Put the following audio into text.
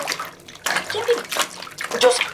Sólo se publicaron nueve números.